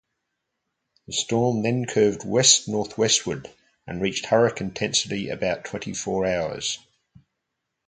The storm then curved west-northwestward and reached hurricane intensity about twenty four hours.